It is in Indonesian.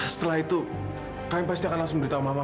setelah itu kami pasti akan langsung beritahu mama ma